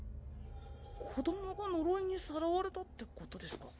子どもが呪いにさらわれたってことですか？